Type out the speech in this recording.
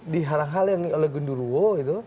dihalang halang oleh gendurwo